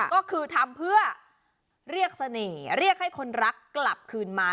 ก็คือทำเพื่อเรียกเสน่ห์เรียกให้คนรักกลับคืนมา